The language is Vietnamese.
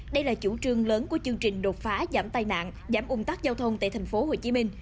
đây là chủ trương lớn của chương trình đột phá giảm tai nạn giảm un tắc giao thông tại tp hcm